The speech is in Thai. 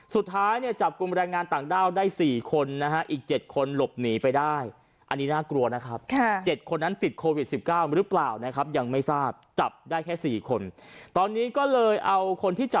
สุดท้ายเนี่ยจับกุมแรงงานต่างด้าวได้สี่คนนะฮะ